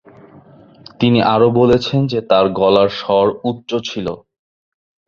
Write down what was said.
তিনি আরও বলেছেন যে তার গলার স্বর উচ্চ ছিল।